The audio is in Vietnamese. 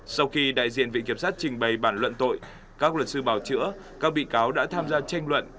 sau khi đại diện vị kiểm sát trình bày bản luận tội các luật sư bảo chữa các bị cáo đã tham gia tranh luận